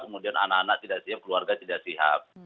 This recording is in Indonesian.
kemudian anak anak tidak siap keluarga tidak siap